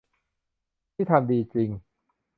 นี่ทำดีจริง